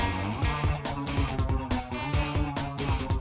aduh aduh aduh aduh